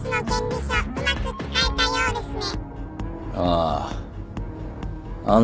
ああ。